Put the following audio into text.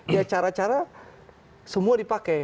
ya cara cara semua dipakai